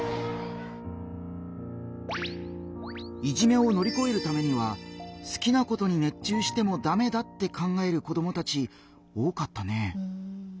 いじめを乗り越えるためには好きなことに熱中してもダメだって考える子どもたち多かったね。